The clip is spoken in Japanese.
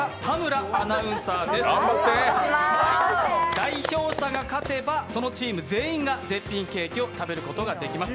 代表者が勝てば、そのチーム全員が絶品ケーキを食べることができます。